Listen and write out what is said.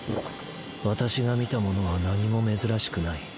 私が見たものは何も珍しくない。